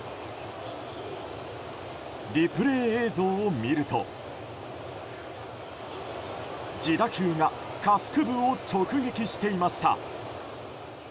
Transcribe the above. リプレー映像を見ると自打球が下腹部を直撃していました。